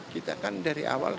kita kan dari awal